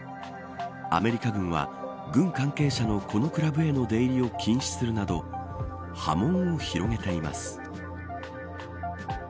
アメリカ軍は軍関係者のこのクラブへの出入りを禁止するなど波紋を広げています。